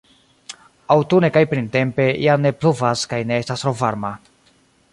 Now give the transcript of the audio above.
Aŭtune kaj printempe jam ne pluvas kaj ne estas tro varma.